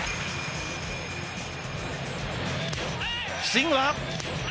スイングは？